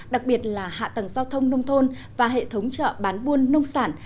đặc biệt là hạ tầng giao thông nông thôn và hệ thống chợ bán buôn nông sản